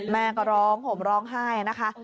แม่ก็ร้องห่มร้องไห้นะคะ